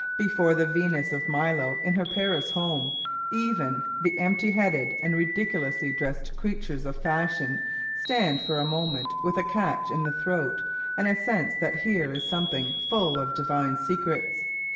Before the Venus of Milo in her Paris home, even the empty headed and ridiculously dressed creatures of fashion stand for a moment with a catch in the throat and a sense that here is something full of divine secrets.